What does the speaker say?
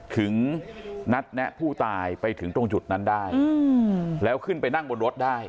ถึงนัดแนะผู้ตายไปถึงตรงจุดนั้นได้แล้วขึ้นไปนั่งบนรถได้